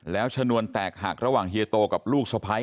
แล้วชนวนแตกหักระหว่างเฮียโตกับลูกสะพ้าย